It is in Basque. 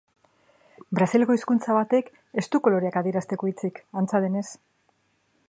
Brasilgo hizkuntza batek ez du koloreak adierazteko hitzik, antza denez.